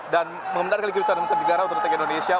dan mengendarikan kembali ke negara negara untuk negara indonesia